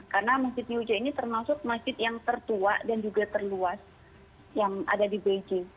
karena masjid new jai ini termasuk masjid yang tertua dan juga terluas yang ada di beijing